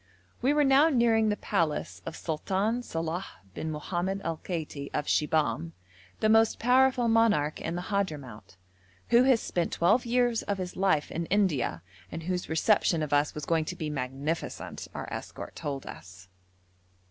We were now nearing the palace of Sultan Salàh bin Mohammad al Kaiti of Shibahm, the most powerful monarch in the Hadhramout, who has spent twelve years of his life in India, and whose reception of us was going to be magnificent, our escort told us.